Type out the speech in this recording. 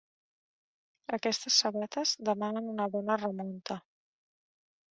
Aquestes sabates demanen una bona remunta.